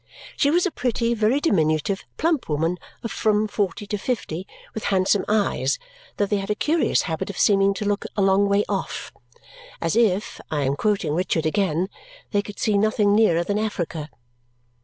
She was a pretty, very diminutive, plump woman of from forty to fifty, with handsome eyes, though they had a curious habit of seeming to look a long way off. As if I am quoting Richard again they could see nothing nearer than Africa!